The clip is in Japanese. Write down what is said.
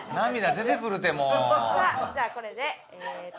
さあじゃあこれでえーっと。